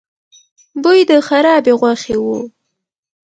بوی د خرابې غوښې و.